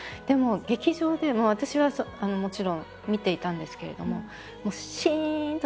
でも劇場でも私はもちろん見ていたんですけれどももうだから本当に。